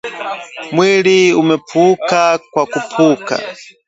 Mwili umepuuka kwa kupuuka